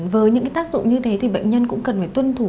với những cái tác dụng như thế thì bệnh nhân cũng cần phải tuân thủ